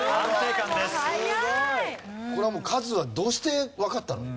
これはもうカズはどうしてわかったの？